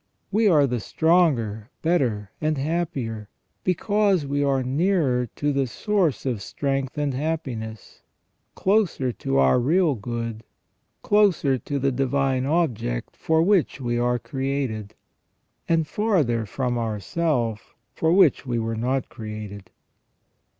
We are the stronger, better, and happier, because we are nearer the source of strength and happiness, closer to our real good, closer to the divine object for which we are created, and farther from our self, for which we were not created.